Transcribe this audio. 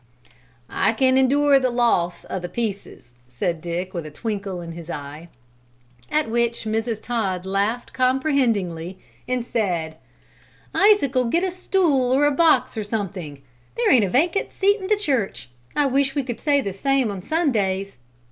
"I can endure the loss of the 'pieces,'" said Dick with a twinkle in his eye. At which Mrs. Todd laughed comprehendingly, and said: "Isaac'll get a stool or a box or something; there ain't a vacant seat in the church. I wish we could say the same o' Sundays!